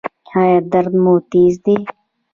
ایا درد مو تېز دی؟